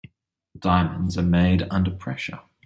Diamonds are made under pressure.